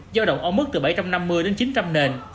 giao động ở mức từ bảy trăm năm mươi đến chín trăm linh nền